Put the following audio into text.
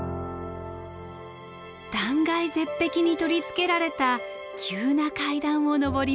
断崖絶壁に取り付けられた急な階段を上ります。